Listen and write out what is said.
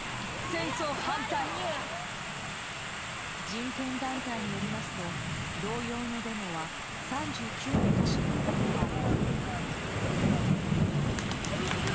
人権団体によりますと同様のデモは３９の都市で行われ。